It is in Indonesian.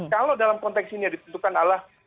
kalau dalam konteks ini yang ditentukan adalah